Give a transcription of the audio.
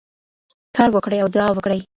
کار وکړئ او دعا وکړئ.